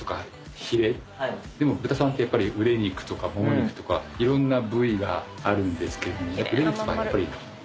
でも豚さんってやっぱりむね肉とかもも肉とかいろんな部位があるんですけど。